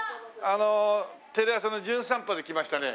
テレ朝の『じゅん散歩』で来ましたね